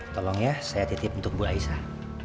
tolong ya saya titip untuk bu aisah